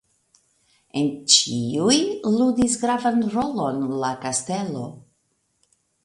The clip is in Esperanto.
En ĉiuj ludis gravan rolon la kastelo.